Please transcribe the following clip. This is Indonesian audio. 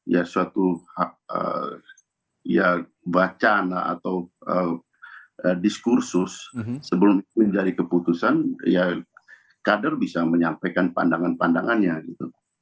ya suatu diskursus sebelum menjadi keputusan ya kader bisa menyampaikan pandangan pandangannya gitu